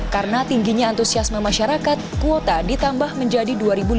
karena tingginya antusiasme masyarakat kuota ditambah menjadi dua lima ratus